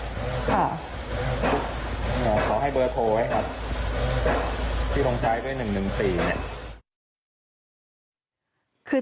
เพราะว่าเหมือน